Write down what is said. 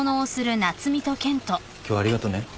今日はありがとね。